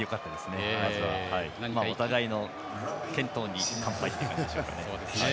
お互いの健闘に「乾杯」ということでしょうか。